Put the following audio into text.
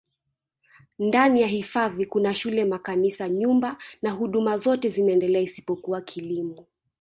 ndani ya hifadhi Kuna shule makanisa nyumba na huduma zote zinaendelea isipokuwa kilimo